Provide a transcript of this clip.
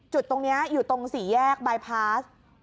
จุดตรงนี้อยู่ตรงสี่แยกบายพาส